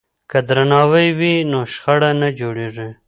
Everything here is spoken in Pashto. که درناوی وي نو شخړه نه جوړیږي.